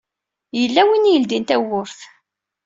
Yella win i yeldin tawwurt.